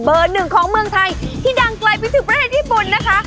หนึ่งของเมืองไทยที่ดังไกลไปถึงประเทศญี่ปุ่นนะคะ